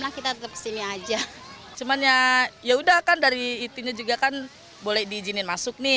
lah kita tetep sini aja cuman ya ya udah kan dari itunya juga kan boleh diizinin masuk nih